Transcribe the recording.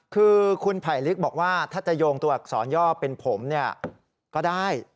คือคุณไผลลิกบอกว่าถ้าจะโยงตัวอักษรย่อเป็นผมเนี่ยก็ได้